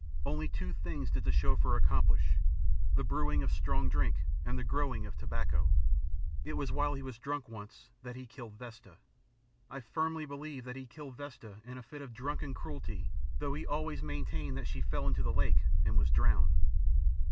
Only two things did the Chauffeur accomplish the brewing of strong drink and the growing of tobacco. It was while he was drunk, once, that he killed Vesta. I firmly believe that he killed Vesta in a fit of drunken cruelty though he always maintained that she fell into the lake and was drowned.